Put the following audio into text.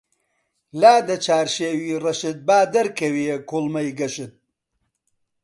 لادە چارشێوی ڕەشت با دەرکەوێ کوڵمەی گەشت